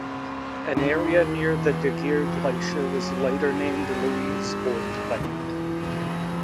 An area near the De Geer Glacier was later named Louise Boyd Land.